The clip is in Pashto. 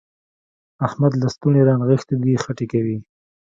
احمد لستوڼي رانغښتي دي؛ خټې کوي.